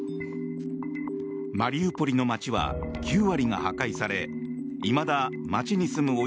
マリウポリの街は９割が破壊されいまだ街に住む